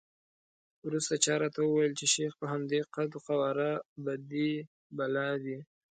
وروسته چا راته وویل چې شیخ په همدې قد وقواره بدي بلا دی.